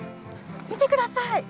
見てください！